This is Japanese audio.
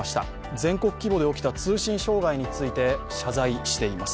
全国規模で起きた通信障害について謝罪しています。